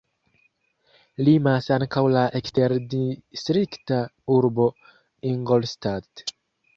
Limas ankaŭ la eksterdistrikta urbo Ingolstadt.